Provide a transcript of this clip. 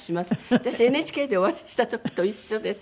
私ＮＨＫでお会いした時と一緒です。